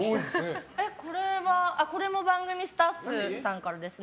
これも番組スタッフさんからです。